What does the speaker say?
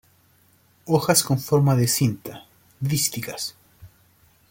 Hojas con forma de cinta, dísticas.